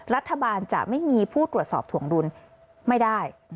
รัฐบาลจะไม่มีผู้ตรวจสอบถวงดุลไม่ได้